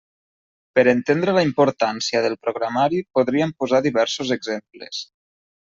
Per entendre la importància del programari podríem posar diversos exemples.